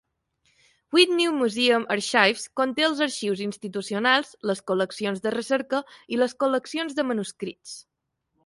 Whitney Museum Archives conté els arxius institucionals, les col·leccions de recerca i les col·leccions de manuscrits.